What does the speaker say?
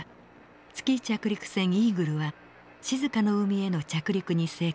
月着陸船イーグルは「静かの海」への着陸に成功。